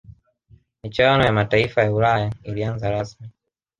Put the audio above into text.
michuano ya mataifa ya ulaya ilianza rasmi